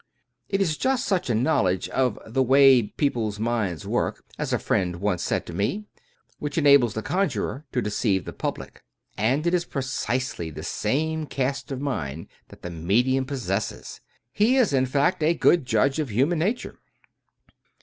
It is just such a knowledge of " the way people's minds work," as a friend once said to me, which enables the, conjurer to deceive the public ; and it is precisely the same cast of mind that the medium possesses. He is, in fact, a good judge of human nature.